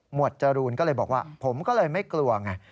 จรูนก็เลยบอกว่าผมก็เลยไม่กลัวไง